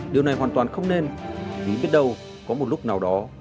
điều này hoàn toàn không nên vì biết đâu có một lúc nào đó